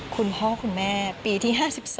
คุณพ่อคุณแม่ปีที่๕๒